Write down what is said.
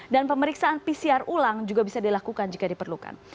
dan pemeriksaan pcr ulang juga bisa dilakukan jika diperlukan